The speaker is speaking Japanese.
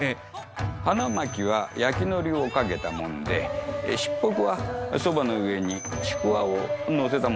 花巻は焼きのりをかけたもんでしっぽくはそばの上にちくわを載せたもんなんですよ。